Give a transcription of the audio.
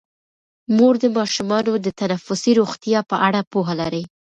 مور د ماشومانو د تنفسي روغتیا په اړه پوهه لري.